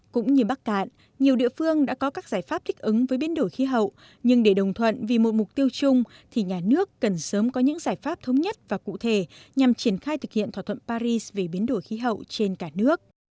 cũng như bắc cạn nhiều địa phương đã có các giải pháp thích ứng với biến đổi khí hậu nhưng để đồng thuận vì một mục tiêu chung thì nhà nước cần sớm có những giải pháp thống nhất và cụ thể nhằm triển khai thực hiện thỏa thuận paris về biến đổi khí hậu trên cả nước